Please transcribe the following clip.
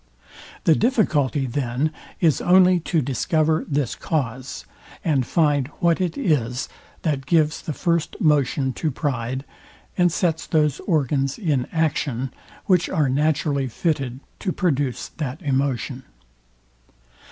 The difficulty, then, is only to discover this cause, and find what it is that gives the first motion to pride, and sets those organs in action, which are naturally fitted to produce that emotion.